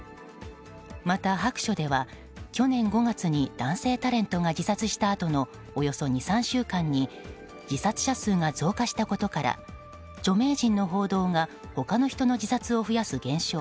また、白書では去年５月に男性タレントが自殺したあとのおよそ２３週間に自殺者数が増加したことから著名人の報道が他の人の自殺を増やす現象